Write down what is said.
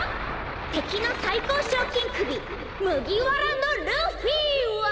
敵の最高賞金首麦わらのルフィは。